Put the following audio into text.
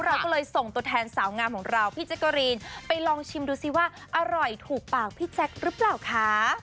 เราก็เลยส่งตัวแทนสาวงามของเราพี่แจ๊กกะรีนไปลองชิมดูสิว่าอร่อยถูกปากพี่แจ๊คหรือเปล่าคะ